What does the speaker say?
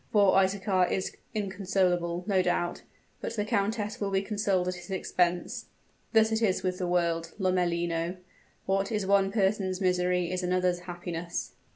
"Poor Isaachar is inconsolable, no doubt; but the countess will be consoled at his expense. Thus it is with the world, Lomellino; what is one person's misery is another's happiness."